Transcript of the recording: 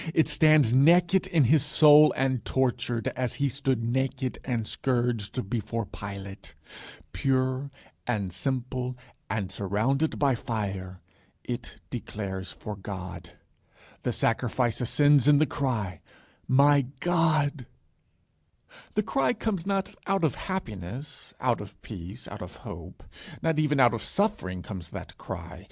It stands naked in his soul and tortured, as he stood naked and scourged before Pilate. Pure and simple and surrounded by fire, it declares for God. The sacrifice ascends in the cry, My God. The cry comes not out of happiness, out of peace, out of hope. Not even out of suffering comes that cry.